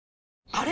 あれ？